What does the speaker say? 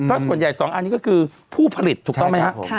ส่วนใหญ่๒อันนี้ก็คือผู้ผลิตถูกต้องไหมครับ